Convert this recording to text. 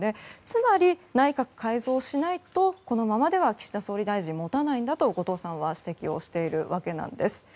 つまり、内閣改造しないとこのままでは岸田総理大臣持たないんだと、後藤さんは指摘しているわけです。